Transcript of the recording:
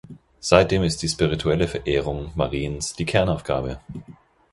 Seitdem ist die spirituelle Verehrung Mariens die Kernaufgabe.